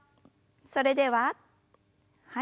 それでははい。